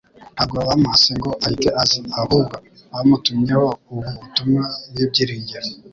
ntabwo bamuhase ngo ahite aza, ahubwo bamutumyeho ubu butumwa bw'ibyiringiro